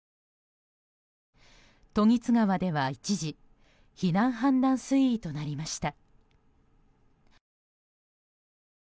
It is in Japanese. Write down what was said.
時津川では一時避難氾濫水位となりました。